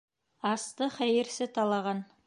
Асты хәйерсе талаған.